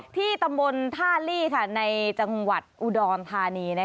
ที่ตำบลท่าลี่ในจังหวัดอุดรธานี